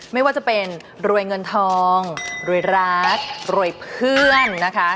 ไม่ว่าจะเป็นรวยเงินทองรวยรักรวยเพื่อนนะคะ